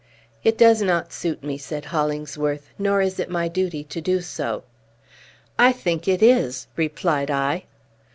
"It does not suit me," said Hollingsworth. "Nor is it my duty to do so." "I think it is," replied I.